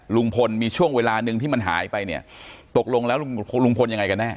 ลุงพลมีช่วงเวลาหนึ่งที่มันหายไปเนี่ยตกลงแล้วลุงพลยังไงกันแน่